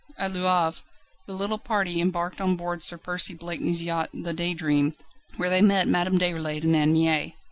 At Le Havre the little party embarked on board Sir Percy Blakeney's yacht the Daydream, where they met Madame Déroulède and Anne Mie.